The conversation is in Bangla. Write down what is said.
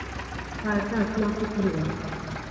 সার্কাস না পুতুল নাচ?